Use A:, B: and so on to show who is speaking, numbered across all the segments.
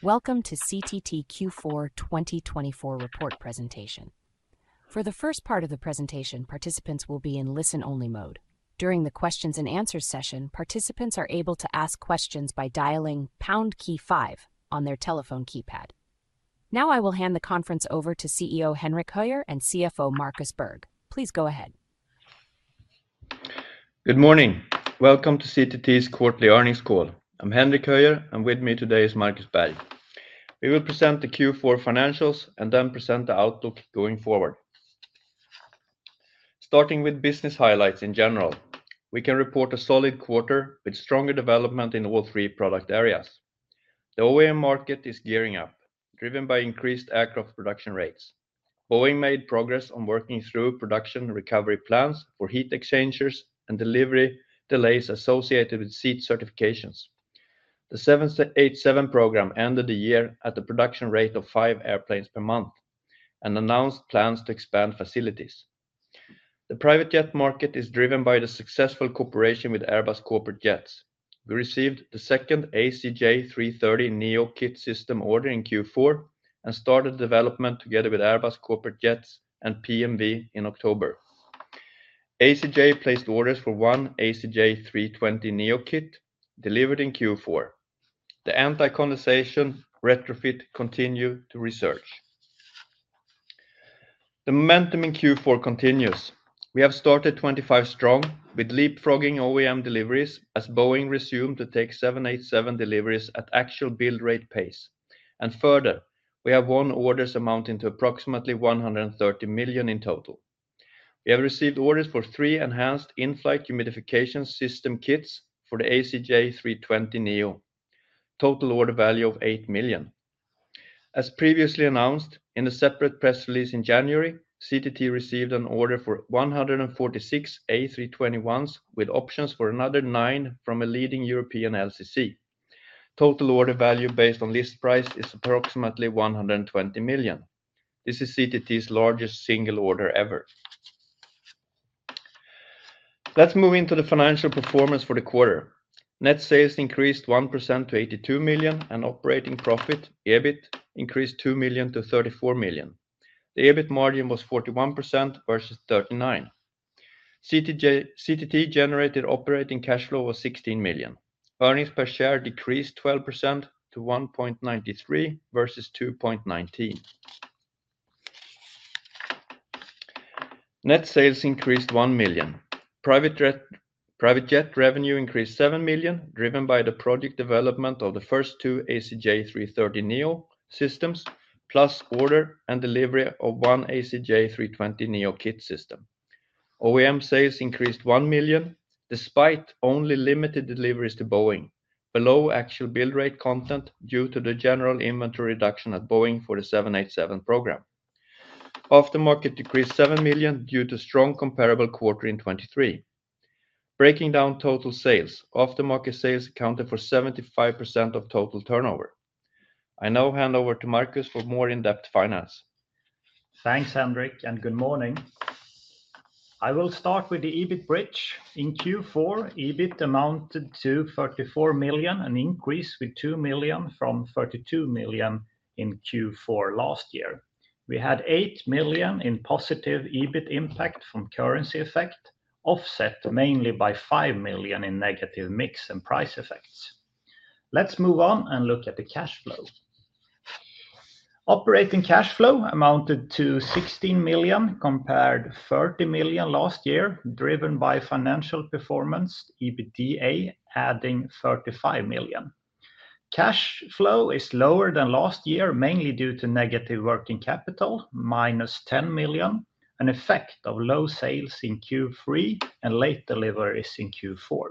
A: Welcome to CTT Q4 2024 report presentation. For the first part of the presentation, participants will be in listen-only mode. During the Q&A session, participants are able to ask questions by dialing pound five on their telephone keypad. Now I will hand the conference over to CEO Henrik Höjer and CFO Markus Berg. Please go ahead.
B: Good morning. Welcome to CTT's Quarterly Earnings Call. I'm Henrik Höjer, and with me today is Markus Berg. We will present the Q4 financials and then present the outlook going forward. Starting with business highlights in general, we can report a solid quarter with stronger development in all three product areas. The OEM market is gearing up, driven by increased aircraft production rates. Boeing made progress on working through production recovery plans for heat exchangers and delivery delays associated with seat certifications. The 787 program ended the year at a production rate of five airplanes per month and announced plans to expand facilities. The private jet market is driven by the successful cooperation with Airbus Corporate Jets. We received the second ACJ330 NeoKit system order in Q4 and started development together with Airbus Corporate Jets and PMV in October. ACJ placed orders for one ACJ320 NeoKit, delivered in Q4. The anti-condensation retrofit continued to resurge. The momentum in Q4 continues. We have started 2025 strong, with leapfrogging OEM deliveries as Boeing resumed to take 787 deliveries at actual build rate pace. And further, we have won orders amounting to approximately 130 million in total. We have received orders for three enhanced in-flight humidification system kits for the ACJ320 Neo, total order value of 8 million. As previously announced in a separate press release in January, CTT received an order for 146 A321s with options for another nine from a leading European LCC. Total order value based on list price is approximately 120 million. This is CTT's largest single order ever. Let's move into the financial performance for the quarter. Net sales increased 1% to 82 million, and operating profit, EBIT, increased 2 million to 34 million. The EBIT margin was 41% versus 39%. CTT generated operating cash flow was 16 million. Earnings per share decreased 12% to 1.93 versus 2.19. Net sales increased 1 million. Private jet revenue increased 7 million, driven by the project development of the first two ACJ330 Neo systems, plus order and delivery of one ACJ320 NeoKit system. OEM sales increased 1 million despite only limited deliveries to Boeing, below actual build rate content due to the general inventory reduction at Boeing for the 787 program. Aftermarket decreased 7 million due to strong comparable quarter in 2023. Breaking down total sales, aftermarket sales accounted for 75% of total turnover. I now hand over to Markus for more in-depth finance.
C: Thanks, Henrik, and good morning. I will start with the EBIT bridge. In Q4, EBIT amounted to 34 million, an increase with 2 million from 32 million in Q4 last year. We had 8 million in positive EBIT impact from currency effect, offset mainly by 5 million in negative mix and price effects. Let's move on and look at the cash flow. Operating cash flow amounted to 16 million, compared to 30 million last year, driven by financial performance, EBITDA adding 35 million. Cash flow is lower than last year, mainly due to negative working capital, minus 10 million, an effect of low sales in Q3 and late deliveries in Q4.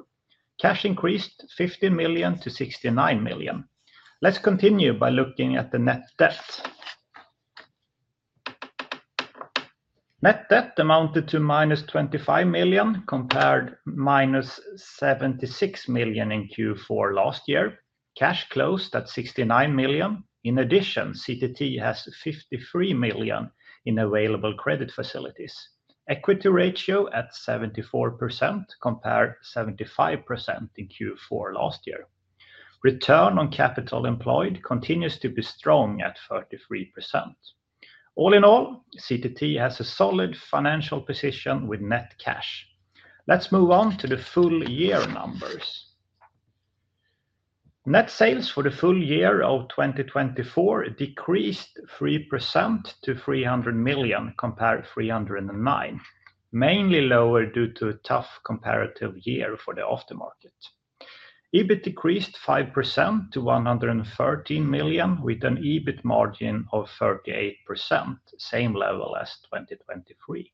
C: Cash increased 15 million to 69 million. Let's continue by looking at the net debt. Net debt amounted to minus 25 million, compared to minus 76 million in Q4 last year. Cash closed at 69 million. In addition, CTT has 53 million in available credit facilities. Equity ratio at 74%, compared to 75% in Q4 last year. Return on capital employed continues to be strong at 33%. All in all, CTT has a solid financial position with net cash. Let's move on to the full year numbers. Net sales for the full year of 2024 decreased 3% to 300 million, compared to 309 million, mainly lower due to a tough comparative year for the aftermarket. EBIT decreased 5% to 113 million, with an EBIT margin of 38%, same level as 2023.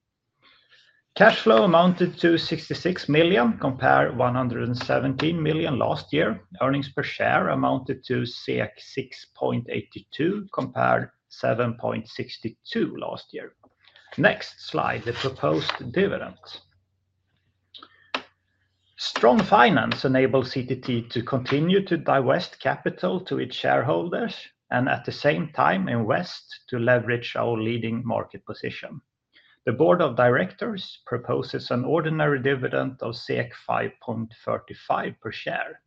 C: Cash flow amounted to 66 million, compared to 117 million last year. Earnings per share amounted to 6.82, compared to 7.62 last year. Next slide, the proposed dividends. Strong finance enables CTT to continue to divest capital to its shareholders and, at the same time, invest to leverage our leading market position. The board of directors proposes an ordinary dividend of 5.35 per share,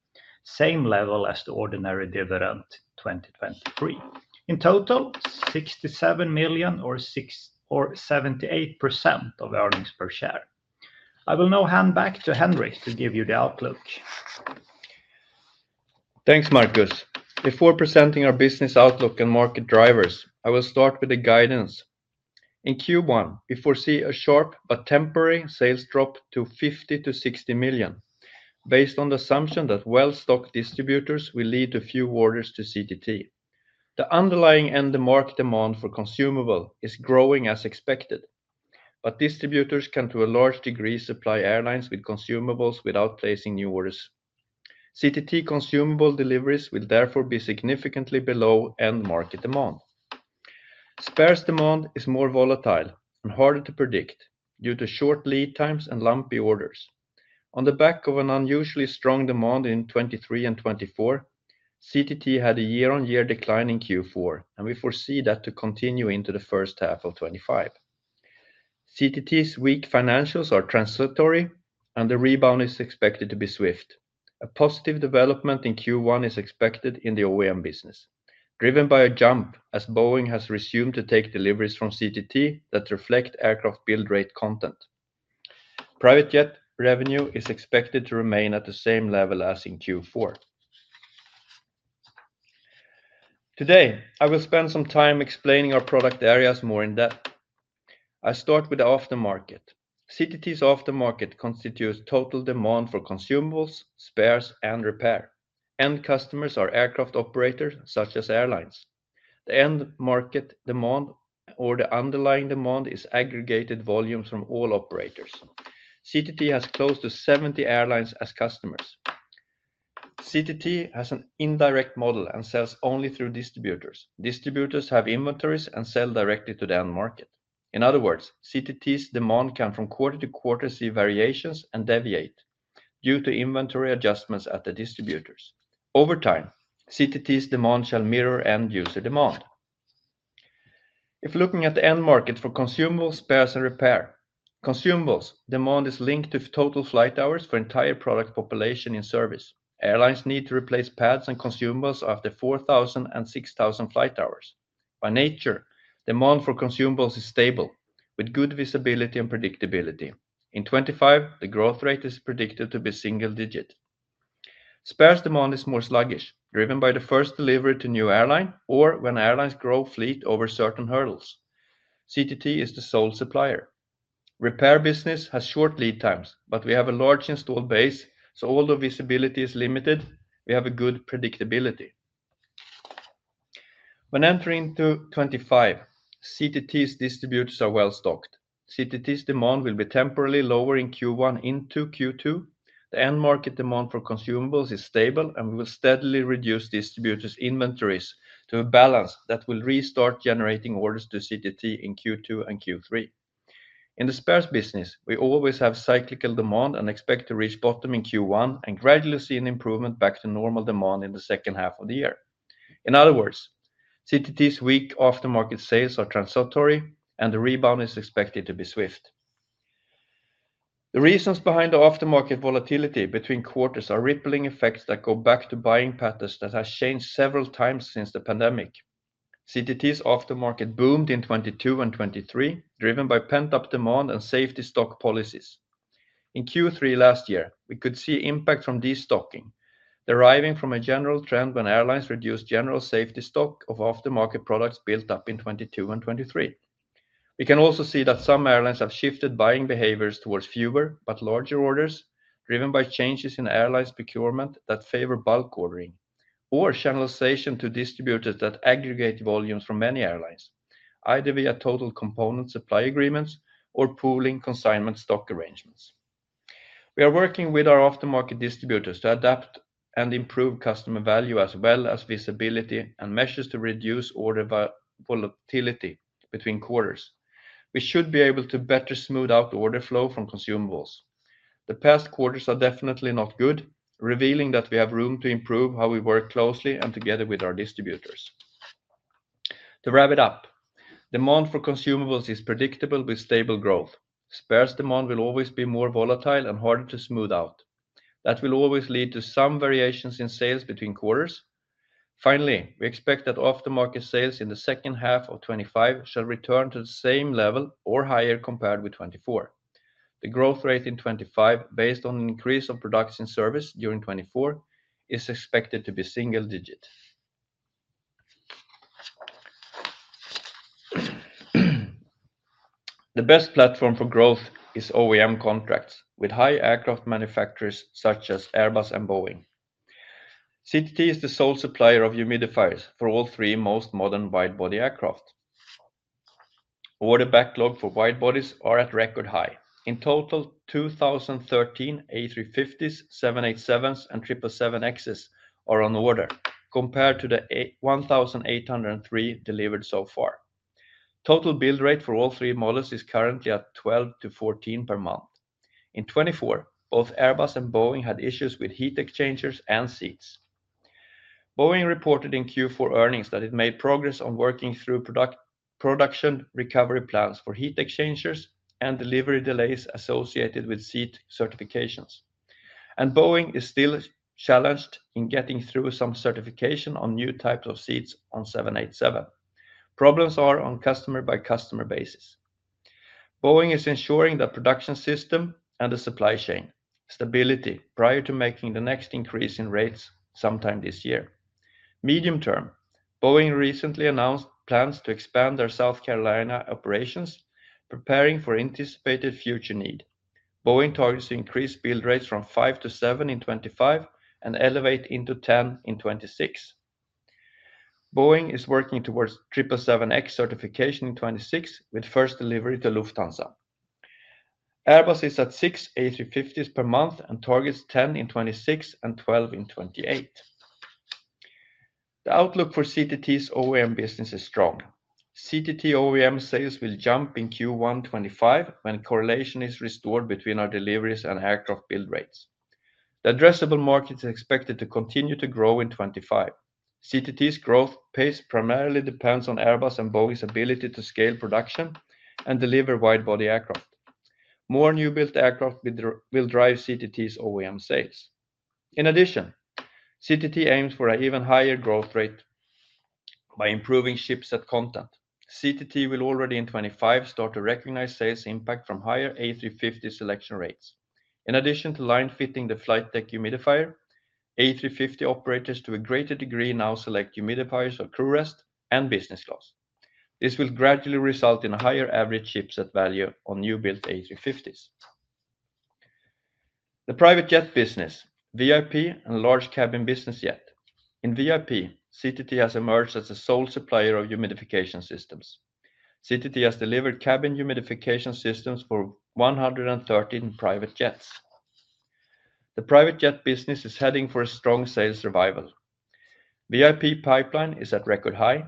C: same level as the ordinary dividend 2023. In total, 67 million or 78% of earnings per share. I will now hand back to Henrik to give you the outlook.
B: Thanks, Markus. Before presenting our business outlook and market drivers, I will start with the guidance. In Q1, we foresee a sharp but temporary sales drop to 50 million-60 million, based on the assumption that well-stocked distributors will lead to few orders to CTT. The underlying end-of-market demand for consumables is growing as expected, but distributors can, to a large degree, supply airlines with consumables without placing new orders. CTT consumable deliveries will therefore be significantly below end-market demand. Spares demand is more volatile and harder to predict due to short lead times and lumpy orders. On the back of an unusually strong demand in 2023 and 2024, CTT had a year-on-year decline in Q4, and we foresee that to continue into the first half of 2025. CTT's weak financials are transitory, and the rebound is expected to be swift. A positive development in Q1 is expected in the OEM business, driven by a jump as Boeing has resumed to take deliveries from CTT that reflect aircraft build rate content. Private jet revenue is expected to remain at the same level as in Q4. Today, I will spend some time explaining our product areas more in depth. I start with the aftermarket. CTT's aftermarket constitutes total demand for consumables, spares, and repair. End customers are aircraft operators, such as airlines. The end-market demand or the underlying demand is aggregated volumes from all operators. CTT has close to 70 airlines as customers. CTT has an indirect model and sells only through distributors. Distributors have inventories and sell directly to the end market. In other words, CTT's demand can from quarter to quarter see variations and deviate due to inventory adjustments at the distributors. Over time, CTT's demand shall mirror end-user demand. If looking at the end market for consumables, spares, and repair, consumables demand is linked to total flight hours for the entire product population in service. Airlines need to replace pads and consumables after 4,000 and 6,000 flight hours. By nature, demand for consumables is stable, with good visibility and predictability. In 2025, the growth rate is predicted to be single-digit. Spares demand is more sluggish, driven by the first delivery to a new airline or when airlines grow fleet over certain hurdles. CTT is the sole supplier. Repair business has short lead times, but we have a large installed base, so although visibility is limited, we have good predictability. When entering into 2025, CTT's distributors are well stocked. CTT's demand will be temporarily lower in Q1 into Q2. The end-market demand for consumables is stable, and we will steadily reduce distributors' inventories to a balance that will restart generating orders to CTT in Q2 and Q3. In the spares business, we always have cyclical demand and expect to reach bottom in Q1 and gradually see an improvement back to normal demand in the second half of the year. In other words, CTT's weak aftermarket sales are transitory, and the rebound is expected to be swift. The reasons behind the aftermarket volatility between quarters are rippling effects that go back to buying patterns that have changed several times since the pandemic. CTT's aftermarket boomed in 2022 and 2023, driven by pent-up demand and safety stock policies. In Q3 last year, we could see impact from destocking, deriving from a general trend when airlines reduced general safety stock of aftermarket products built up in 2022 and 2023. We can also see that some airlines have shifted buying behaviors towards fewer but larger orders, driven by changes in airlines' procurement that favor bulk ordering, or channelization to distributors that aggregate volumes from many airlines, either via total component supply agreements or pooling consignment stock arrangements. We are working with our aftermarket distributors to adapt and improve customer value as well as visibility and measures to reduce order volatility between quarters. We should be able to better smooth out order flow from consumables. The past quarters are definitely not good, revealing that we have room to improve how we work closely and together with our distributors. To wrap it up, demand for consumables is predictable with stable growth. Spares demand will always be more volatile and harder to smooth out. That will always lead to some variations in sales between quarters. Finally, we expect that aftermarket sales in the second half of 2025 shall return to the same level or higher compared with 2024. The growth rate in 2025, based on an increase of production service during 2024, is expected to be single-digit. The best platform for growth is OEM contracts with high aircraft manufacturers such as Airbus and Boeing. CTT is the sole supplier of humidifiers for all three most modern widebody aircraft. Order backlog for widebodies is at record high. In total, 2,013 A350s, 787s, and 777Xs are on order, compared to the 1,803 delivered so far. Total build rate for all three models is currently at 12-14 per month. In 2024, both Airbus and Boeing had issues with heat exchangers and seats. Boeing reported in Q4 earnings that it made progress on working through production recovery plans for heat exchangers and delivery delays associated with seat certifications. And Boeing is still challenged in getting through some certification on new types of seats on 787. Problems are on a customer-by-customer basis. Boeing is ensuring that the production system and the supply chain stability prior to making the next increase in rates sometime this year. Medium term, Boeing recently announced plans to expand their South Carolina operations, preparing for anticipated future need. Boeing targets to increase build rates from 5 to 7 in 2025 and elevate into 10 in 2026. Boeing is working towards 777X certification in 2026, with first delivery to Lufthansa. Airbus is at 6 A350s per month and targets 10 in 2026 and 12 in 2028. The outlook for CTT's OEM business is strong. CTT OEM sales will jump in Q1 2025 when correlation is restored between our deliveries and aircraft build rates. The addressable market is expected to continue to grow in 2025. CTT's growth pace primarily depends on Airbus and Boeing's ability to scale production and deliver widebody aircraft. More new-built aircraft will drive CTT's OEM sales. In addition, CTT aims for an even higher growth rate by improving ship set content. CTT will already in 2025 start to recognize sales impact from higher A350 selection rates. In addition to line-fitting the flight deck humidifier, A350 operators to a greater degree now select humidifiers on crew rest and business class. This will gradually result in a higher average ship set value on new-built A350s. The private jet business, VIP and large cabin business yet. In VIP, CTT has emerged as the sole supplier of humidification systems. CTT has delivered cabin humidification systems for 113 private jets. The private jet business is heading for a strong sales survival. VIP pipeline is at record high,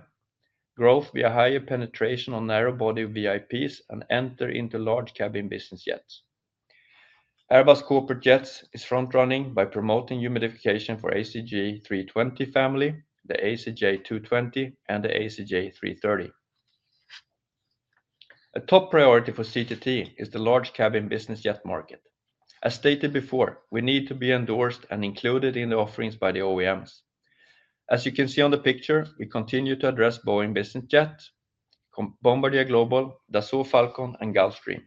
B: growth via higher penetration on narrowbody VIPs and entry into large cabin business jets. Airbus Corporate Jets is front-running by promoting humidification for ACJ 320 family, the ACJ 220, and the ACJ330. A top priority for CTT is the large cabin business jet market. As stated before, we need to be endorsed and included in the offerings by the OEMs. As you can see on the picture, we continue to address Boeing business jets, Bombardier Global, Dassault Falcon, and Gulfstream.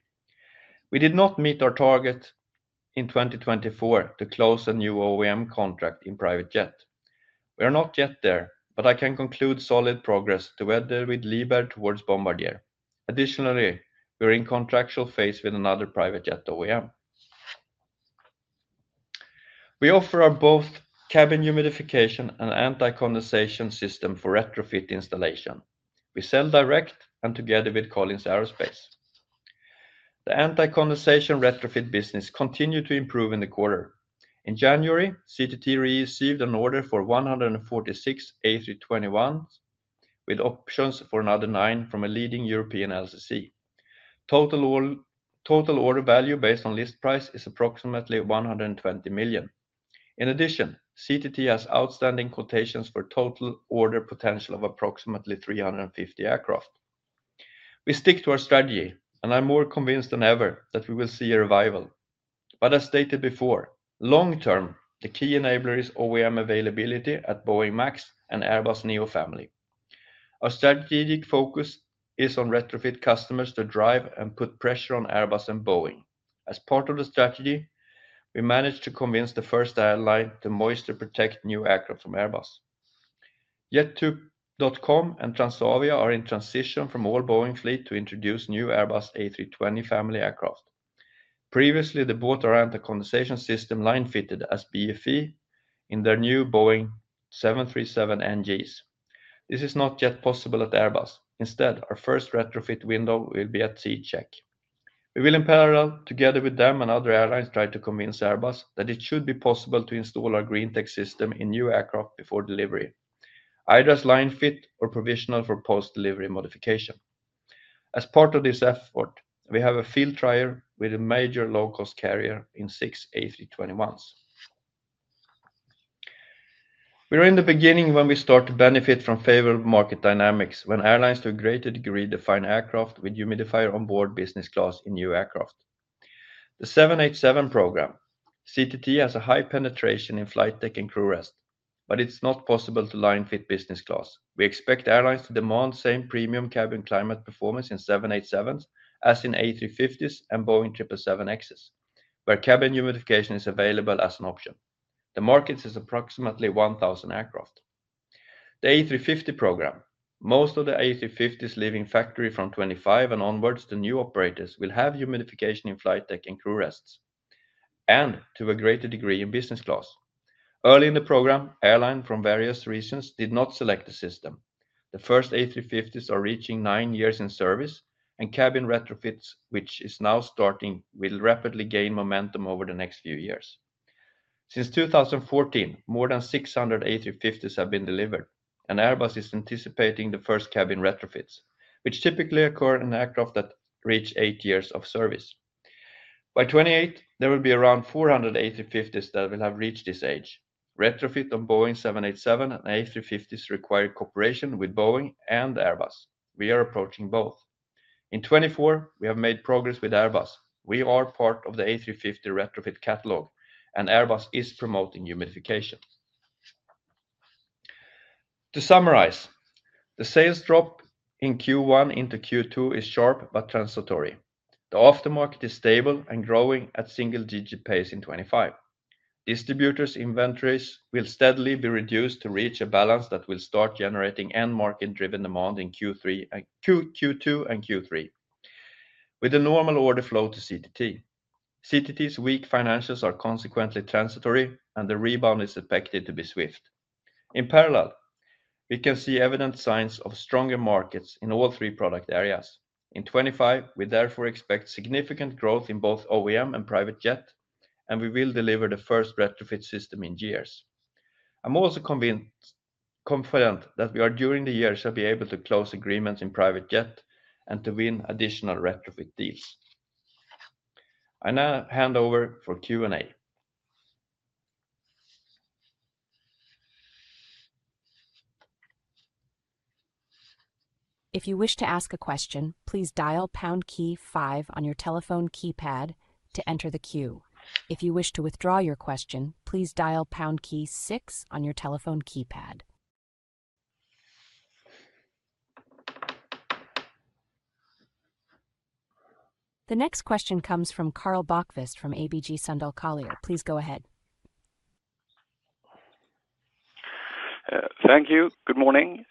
B: We did not meet our target in 2024 to close a new OEM contract in private jet. We are not yet there, but I can conclude solid progress together with Liebherr towards Bombardier. Additionally, we are in contractual phase with another private jet OEM. We offer our both cabin humidification and anti-condensation system for retrofit installation. We sell direct and together with Collins Aerospace. The anti-condensation retrofit business continued to improve in the quarter. In January, CTT received an order for 146 A321s with options for another nine from a leading European LCC. Total order value based on list price is approximately 120 million. In addition, CTT has outstanding quotations for total order potential of approximately 350 aircraft. We stick to our strategy, and I'm more convinced than ever that we will see a revival. As stated before, long-term, the key enabler is OEM availability at Boeing MAX and Airbus Neo family. Our strategic focus is on retrofit customers to drive and put pressure on Airbus and Boeing. As part of the strategy, we managed to convince the first airline to moisture-protect new aircraft from Airbus. Jet2.com and Transavia are in transition from all Boeing fleet to introduce new Airbus A320 family aircraft. Previously, the CTT anti-condensation system line-fitted as BFE in their new Boeing 737NGs. This is not yet possible at Airbus. Instead, our first retrofit window will be at C check. We will, in parallel, together with them and other airlines, try to convince Airbus that it should be possible to install our green tech system in new aircraft before delivery, either as line-fit or provisional for post-delivery modification. As part of this effort, we have a field trial with a major low-cost carrier in six A321s. We are in the beginning when we start to benefit from favorable market dynamics when airlines to a greater degree define aircraft with humidifier on board business class in new aircraft. The 787 program, CTT has a high penetration in flight deck and crew rest, but it's not possible to line-fit business class. We expect airlines to demand same premium cabin climate performance in 787s as in A350s and Boeing 777Xs, where cabin humidification is available as an option. The market is approximately 1,000 aircraft. The A350 program, most of the A350s leaving factory from 2025 and onwards to new operators will have humidification in flight deck and crew rests, and to a greater degree in business class. Early in the program, airlines from various regions did not select the system. The first A350s are reaching nine years in service, and cabin retrofits, which is now starting, will rapidly gain momentum over the next few years. Since 2014, more than 600 A350s have been delivered, and Airbus is anticipating the first cabin retrofits, which typically occur in aircraft that reach eight years of service. By 2028, there will be around 400 A350s that will have reached this age. Retrofit on Boeing 787 and A350s requires cooperation with Boeing and Airbus. We are approaching both. In 2024, we have made progress with Airbus. We are part of the A350 retrofit catalog, and Airbus is promoting humidification. To summarize, the sales drop in Q1 into Q2 is sharp but transitory. The aftermarket is stable and growing at single-digit pace in 2025. Distributors' inventories will steadily be reduced to reach a balance that will start generating end-market-driven demand in Q2 and Q3, with a normal order flow to CTT. CTT's weak financials are consequently transitory, and the rebound is expected to be swift. In parallel, we can see evident signs of stronger markets in all three product areas. In 2025, we therefore expect significant growth in both OEM and private jet, and we will deliver the first retrofit system in years. I'm also confident confident that we are, during the year, shall be able to close agreements in private jet and to win additional retrofit deals. I now hand over for Q&A.
A: If you wish to ask a question, please dial pound key 5 on your telephone keypad to enter the queue. If you wish to withdraw your question, please dial pound key 6 on your telephone keypad. The next question comes from Karl Bokvist from ABG Sundal Collier. Please go ahead.
D: Thank you. Good morning.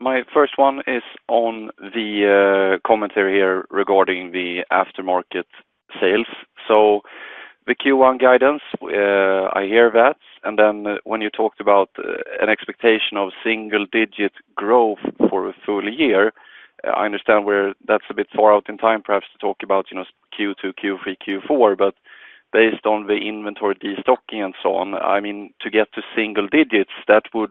D: My first one is on the commentary here regarding the aftermarket sales. So the Q1 guidance, I hear that. And then when you talked about an expectation of single-digit growth for a full year, I understand where that's a bit far out in time, perhaps to talk about Q2, Q3, Q4. Based on the inventory destocking and so on, I mean, to get to single digits, that would,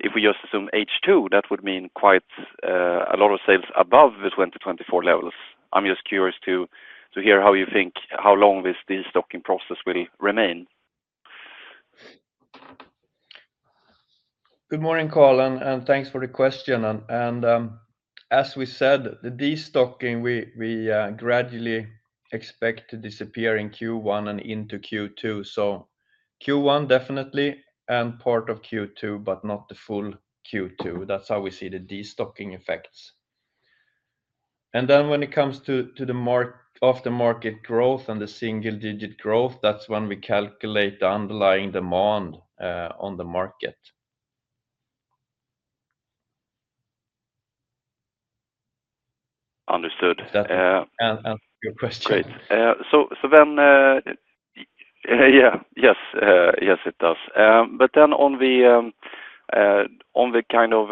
D: if we just assume H2, that would mean quite a lot of sales above the 2024 levels. I'm just curious to hear how you think how long this destocking process will remain.
B: Good morning, Carl, and thanks for the question. And as we said, the destocking, we we gradually expect to disappear in Q1 and into Q2. Q1, definitely, and part of Q2, but not the full Q2. That is how we see the destocking effects. And then when it comes to to the aftermarket growth and the single-digit growth, that is when we calculate the underlying demand on the market.
D: Understood.
B: That answers your question.
D: Great. Yes, yes, it does. But then on the on the kind of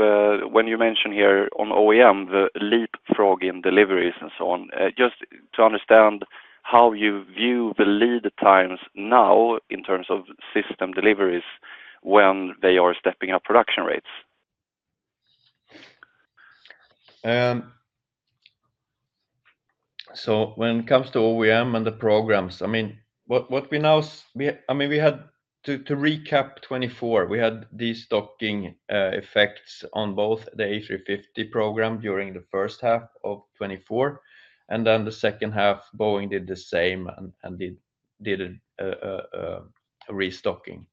D: when you mentioned here on OEM, the leapfrogging deliveries and so on, just to understand how you view the lead times now in terms of system deliveries when they are stepping up production rates.
B: So when it comes to OEM and the programs, i mean what we now, we had to recap 2024. We had destocking effects on both the A350 program during the first half of 2024, and then the second half, Boeing did the same and did did a restocking.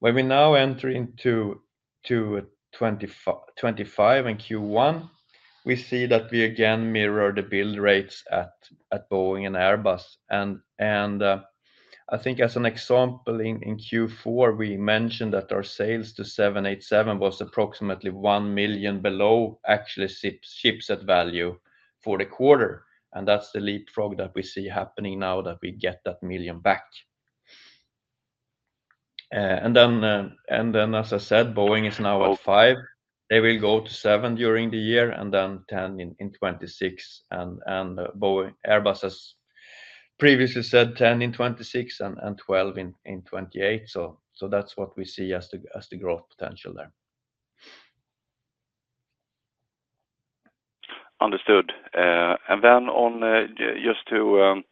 B: When we now enter to to to 2025 and Q1, we see that we again mirror the build rates at at Boeing and Airbus. And and I think as an example, in Q4, we mentioned that our sales to 787 was approximately 1 million below actually ship set value for the quarter. And that is the leapfrog that we see happening now that we get that million back. And then and then as I said, Boeing is now at five. They will go to seven during the year and then ten in 2026. And and Boeing Airbus has previously said ten in 2026 and twelve in in 2028. So so that is what we see as the growth potential there.
D: Understood. And then on just to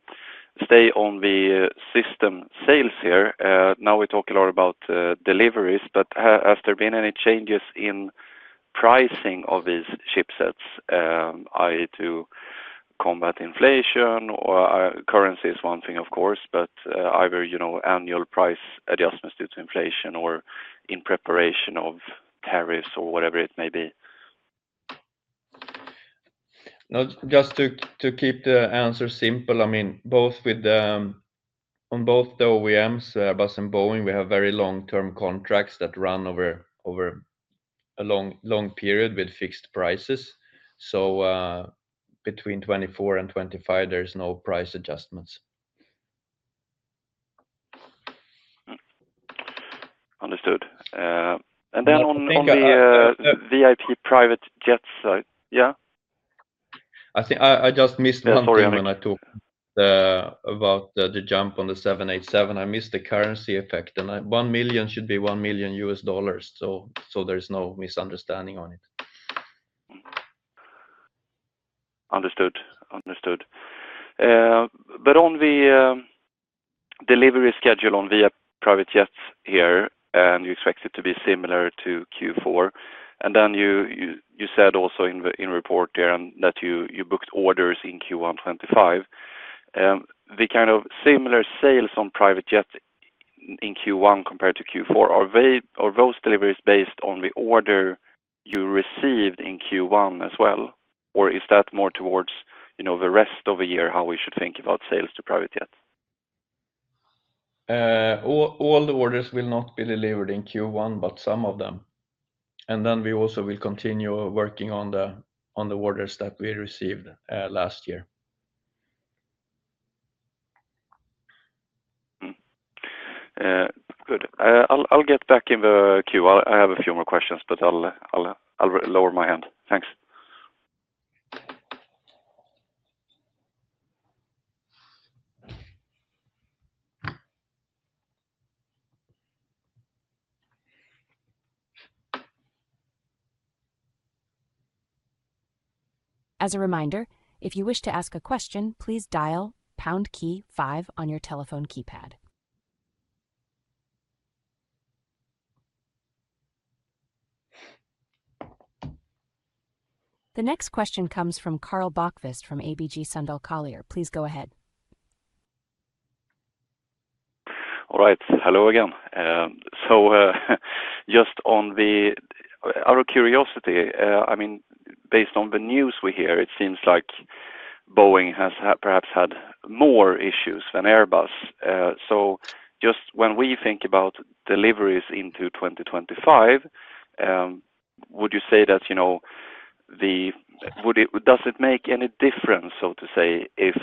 D: stay on the system sales here, now we talk a lot about deliveries, but has there been any changes in pricing of these ship sets, i.e., to combat inflation? Currency is one thing, of course, but either annual price adjustments due to inflation or in preparation of tariffs or whatever it may be.
B: Just to keep the answer simple, I mean, both with on both the OEMs, Airbus and Boeing, we have very long-term contracts that run over over a long long period with fixed prices. So between 2024 and 2025, there's no price adjustments.
D: Understood. And then on the VIP private jet side, yeah?
B: I just missed one thing when I talked about the jump on the 787. I missed the currency effect. One million should be $1 million. So there's no misunderstanding on it.
D: Understood. Understood. But on the delivery schedule on VIP private jets here, and you expect it to be similar to Q4. And then you you said also in the report there that you booked orders in Q1 2025. And the kind of similar sales on private jets in Q1 compared to Q4, are very are those deliveries based on the order you received in Q1 as well? Or is that more towards you know the rest of the year how we should think about sales to private jets?
B: All all the orders will not be delivered in Q1, but some of them. And then we also will continue working on the on the orders that we received last year.
D: Good. I'll get back in the Q. I have a few more questions, but I'll lower my hand. Thanks.
A: As a reminder, if you wish to ask a question, please dial pound key 5 on your telephone keypad. The next question comes from Karl Bokvist from ABG Sundal Collier. Please go ahead.
D: All right. Hello again. Just on our curiosity, I mean, based on the news we hear, it seems like Boeing has perhaps had more issues than Airbus. So just when we think about deliveries into 2025, would you say that you know does it make any difference, so to say, if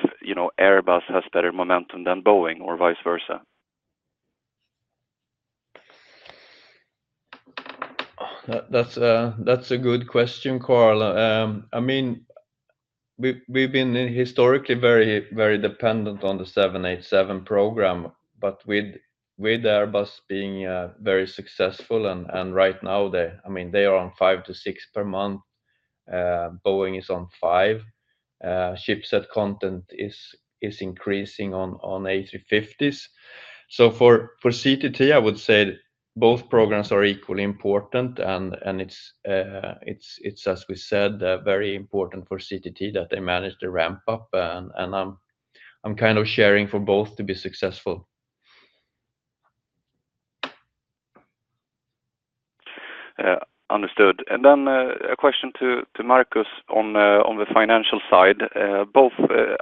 D: Airbus has better momentum than Boeing or vice versa?
B: That's a good question, Karl. I mean, we've we've been historically very, very dependent on the 787 program, but with with Airbus being very successful, and right now, I mean, they are on five to six per month. Boeing is on five. Ship set content is is increasing on A350s. So for CTT, I would say both programs are equally important, and and it's it's, as we said, very important for CTT that they manage the ramp-up, and and I'm kind of sharing for both to be successful.
D: Understood. And then a question to to Markus on the on the financial side. Both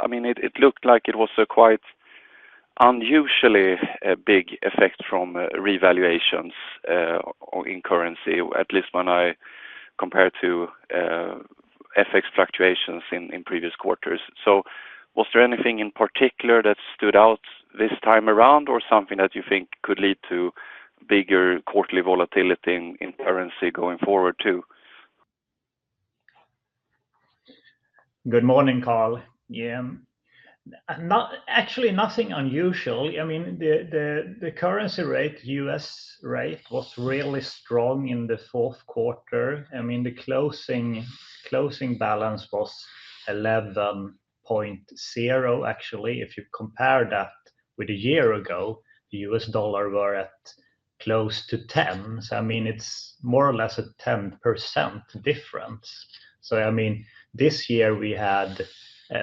D: I mean, it it looked like it was a quite unusually a big effect from revaluations in currency, at least when I compare to FX fluctuations in previous quarters. So was there anything in particular that stood out this time around or something that you think could lead to bigger quarterly volatility in currency going forward too?
C: Good morning, Karl. Actually, nothing unusual. I mean, the the currency rate, US rate, was really strong in the fourth quarter. I mean the closing closing balance was 11.0, actually. If you compare that with a year ago, the US dollar was close to 10. I mean, it is more or less a 10% difference. So I mean this year, we had,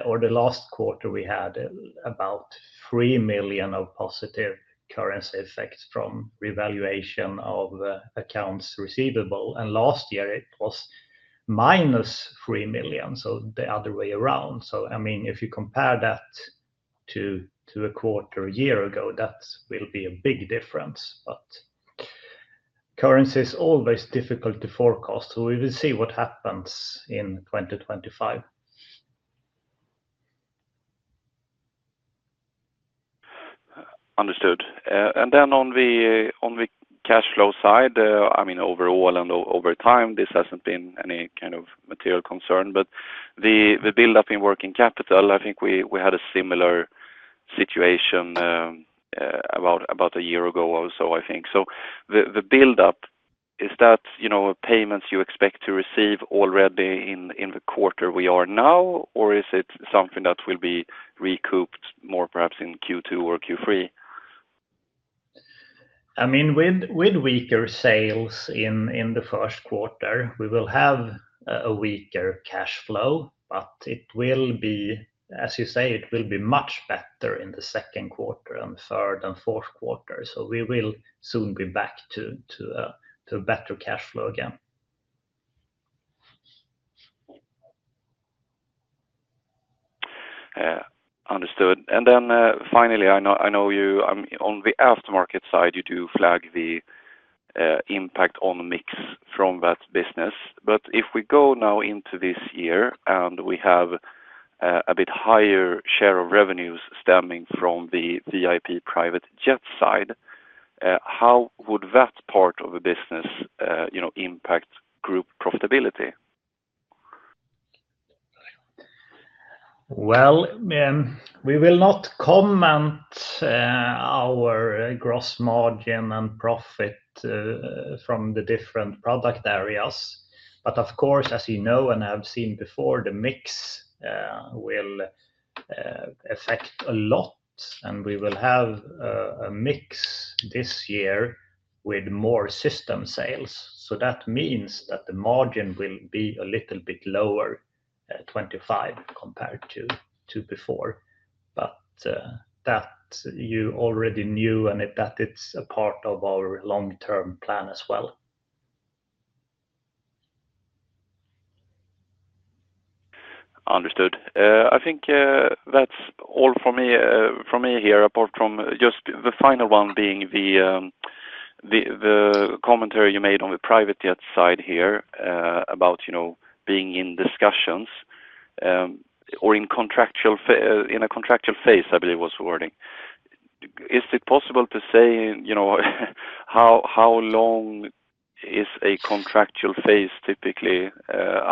C: or the last quarter, we had about 3 million of positive currency effects from revaluation of the accounts receivable. And L]last year, it was minus 3 million, so the other way around. So I mean If you compare that to to a quarter a year ago, that will be a big difference. But currency is always difficult to forecast, so we will see what happens in 2025.
D: Understood. And then on the on the cash flow side, I mean overall and over time, this has not been any kind of material concern. That the build-up in working capital, I think we we had a similar situation about about a year ago or so, I think. So the the build-up, is that you know payments you expect to receive already in in the quarter we are now, or is it something that will be recouped more perhaps in Q2 or Q3?
C: I mean with with weaker sales in in the first quarter, we will have a weaker cash flow, but it will be as you say, it will be much better in the second quarter and third and fourth quarter. So we will soon be back to to a better cash flow again.
D: Understood. And then finally, I know I know on the aftermarket side, you do flag the impact on mix from that business. But if we go now into this year and we have a bit higher share of revenues stemming from the the VIP private jet side, how would that part of the business you know impact group profitability?
C: Well, we will not comment our gross margin and profit from the different product areas. But of course, as you know and have seen before, the mix will affect a lot, and we will have a mix this year with more system sales. So that means that the margin will be a little bit lower, 25, compared to to before. But that you already knew and that is a part of our long-term plan as well.
D: Understood. I think that's all from me from me here, apart from just the final one being the the the commentary you made on the private jet side here about you know being in discussions or contractual or in a contractual phase, I believe was the wording. Is it possible to say how long is a contractual phase typically?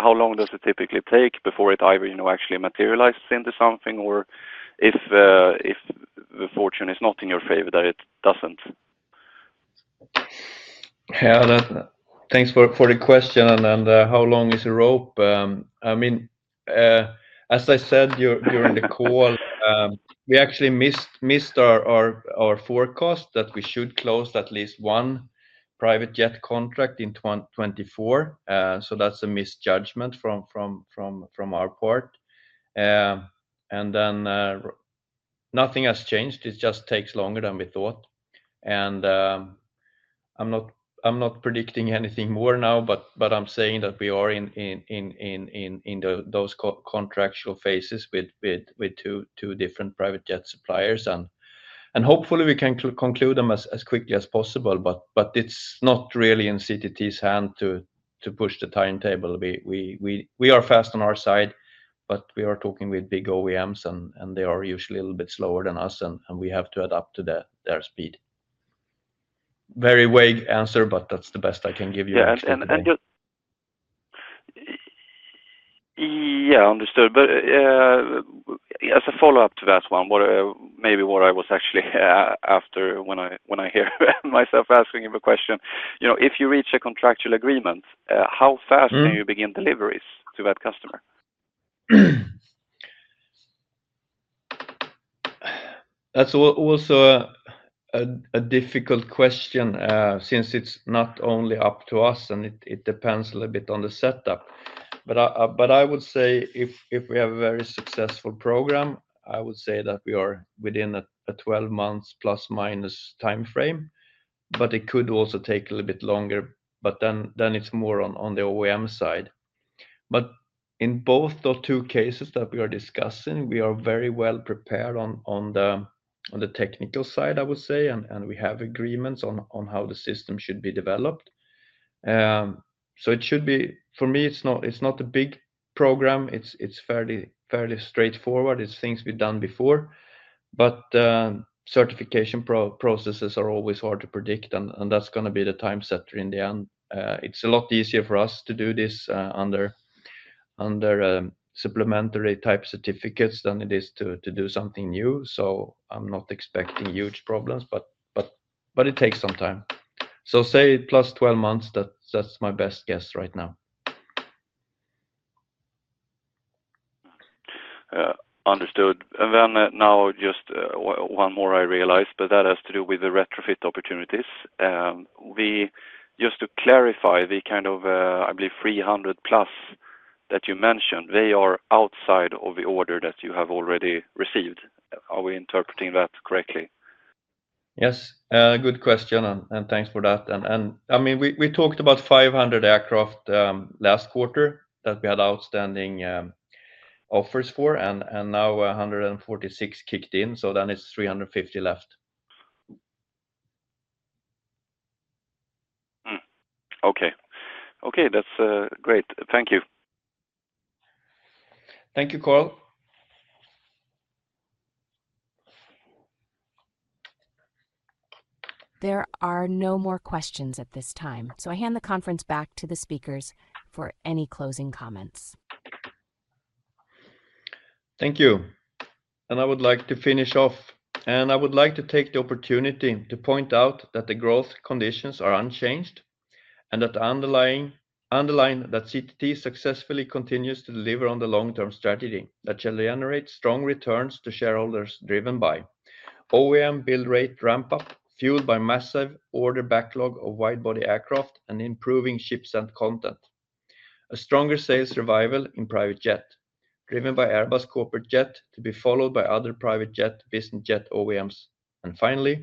D: How long does it typically take before it either actually materializes into something or if if the fortune is not in your favor that it doesn't?
B: Yeah. Thanks for the question. How long is a rope? I mean, as I said during during the call, we actually missed missed our our our forecast that we should close at least one private jet contract in 2024. So that's a misjudgment from from from our part. And then nothing has changed. It just takes longer than we thought. And I'm not I'm not predicting anything more now, but but I'm saying that we are in in in in those contractual phases with with with two two different private jet suppliers. And hopefully, we can conclude them as quickly as possible, but but it's not really in CTT's hand to to push the timetable. We we we are fast on our side, but we are talking with big OEMs, and and they are usually a little bit slower than us, and we have to adapt to their speed. Very vague answer, but that's the best I can give you.
D: Yeah. Understood. As a follow-up to that one, maybe what I was actually after when I when I hear myself asking you the question, you know if you reach a contractual agreement, how fast can you begin deliveries to that customer?
B: That's also a a difficult question since it's not only up to us, and it it depends a little bit on the setup. But I would say if if we have a very successful program, I would say that we are within a 12-month plus-minus timeframe, but it could also take a little bit longer, but then then it's more on the OEM side. But in both those two cases that we are discussing, we are very well prepared on on the technical side, I would say, and we have agreements on on how the system should be developed. Such should be for me, it's not it's not a big program. It's it's fairly straightforward. It's things we've done before. But certification processes are always hard to predict, and and that's going to be the time setter in the end. It's a lot easier for us to do this under under supplementary type certificates than it is to to do something new. So I'm not expecting huge problems, but but it takes some time. So say plus 12 months, that's that's my best guess right now.
D: Understood. And then now just one more I realized, but that has to do with the retrofit opportunities. And we just to clarify, the kind of, I believe, 300-plus that you mentioned, they are outside of the order that you have already received. Are we interpreting that correctly?
B: Yes. Good question, and thanks for that. And I mean, we talked about 500 aircraft last quarter that we had outstanding offers for, and and now 146 kicked in. So then it is 350 left.
D: Okay. Okay. That is great. Thank you.
B: Thank you, Karl.
A: There are no more questions at this time. So I hand the conference back to the speakers for any closing comments.
B: Thank you. And I would like to finish off. And I would like to take the opportunity to point out that the growth conditions are unchanged and that underline underline that CTT successfully continues to deliver on the long-term strategy that shall generate strong returns to shareholders driven by OEM build-rate ramp-up fueled by massive order backlog of wide-body aircraft and improving ship set content, a stronger sales survival in private jet driven by Airbus Corporate Jets to be followed by other private jet business jet OEMs. And finally,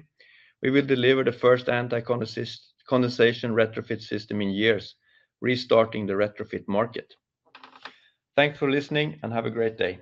B: we will deliver the first anti-condensation retrofit system in years, restarting the retrofit market. Thanks for listening and have a great day.